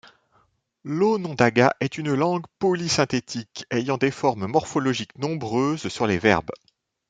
L'onondaga est une langue polysynthétique, ayant des formes morphologiques nombreuses sur les verbes.